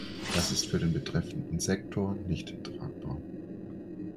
Das ist für den betreffenden Sektor nicht tragbar.